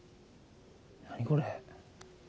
何これ。